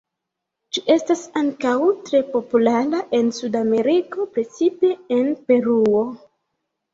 Ĝi estas ankaŭ tre populara en Sudameriko, precipe en Peruo.